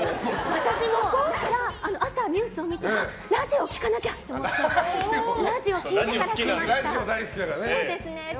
私も、朝ニュースを見てラジオ聞かなきゃ！と思ってラジオ聞いてきました。